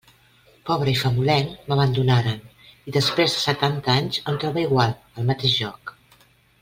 Pobre i famolenc m'abandonaren, i després de setanta anys em trobe igual, al mateix lloc.